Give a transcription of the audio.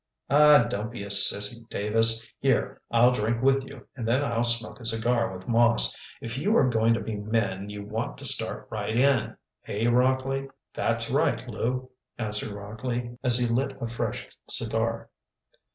"Oh, don't be a sissy, Davis. Here, I'll drink with you, and then I'll smoke a cigar with Moss. If you are going to be men you want to start right in. Eh, Rockley?" "That's right, Lew," answered Rockley, as he lit a fresh cigar.